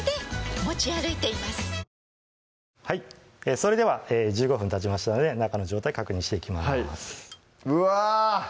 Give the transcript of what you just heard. それでは１５分たちましたので中の状態確認していきますうわ！